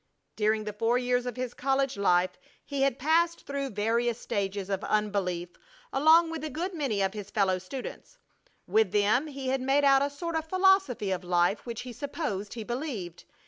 During the four years of his college life he had passed through various stages of unbelief along with a good many of his fellow students. With them he had made out a sort of philosophy of life which he supposed he believed.